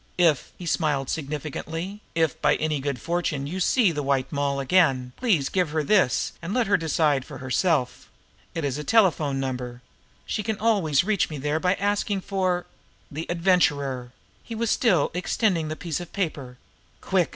"If" he smiled significantly "if, by any good fortune, you see the White Moll again, please give her this and let her decide for herself. It is a telephone number. She can always reach me there by asking for the Adventurer." He was still extending the piece of paper. "Quick!"